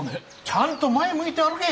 ちゃんと前向いて歩け！